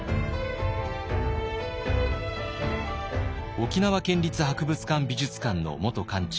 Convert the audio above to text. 沖縄県立博物館・美術館の元館長